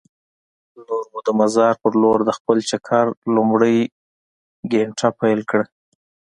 نور مو د مزار په لور د خپل چکر لومړۍ ګېنټه پیل کړه.